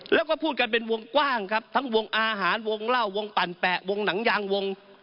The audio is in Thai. แล้วก็พูดกันเป็นวงกว้างครับทั้งวงอาหารวงเล่าวงปั่นแปะวงหนังยางวง